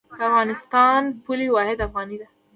د افغانستان پولي واحد افغانۍ ده